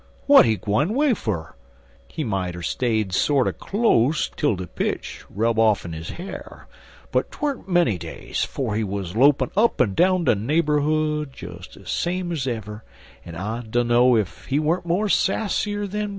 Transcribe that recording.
W'at he gwine 'way fer? He moughter stayed sorter close twel de pitch rub off'n his ha'r, but tweren't menny days 'fo' he wuz lopin' up en down de neighborhood same ez ever, en I dunno ef he weren't mo' sassier dan befo'.